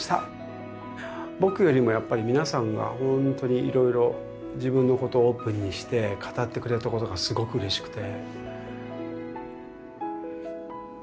僕よりもやっぱり皆さんが本当にいろいろ自分のことをオープンにして語ってくれたことがすごくうれしくて。